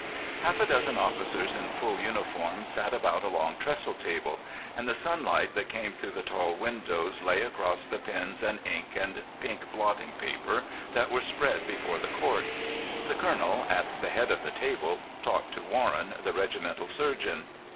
Half a dozen officers in full uniform sat about a long trestle table, and the sunlight that came through the tall windows lay across the pens and ink and pink blotting paper that were spread before the Court. The colonel, at the head of the table, talked to Warren, the regimental surgeon.